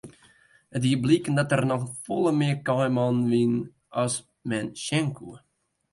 It die bliken dat der noch folle mear kaaimannen wiene as men sjen koe.